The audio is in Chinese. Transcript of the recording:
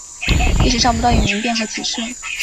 历史上不断有民变和起事。